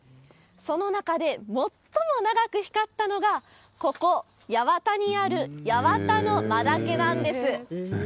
その中で最も長く光ったのが、ここ、八幡にある八幡の真竹なんです。